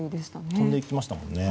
飛んでいきましたもんね。